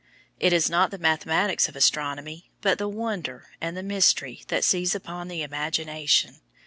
It is not the mathematics of astronomy, but the wonder and the mystery that seize upon the imagination.